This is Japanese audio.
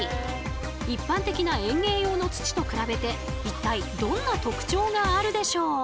一般的な園芸用の土と比べて一体どんな特長があるでしょう？